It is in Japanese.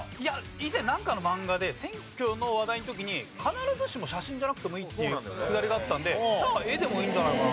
以前なんかのマンガで選挙の話題の時に必ずしも写真じゃなくてもいいっていうくだりがあったので絵でもいいんじゃないかな。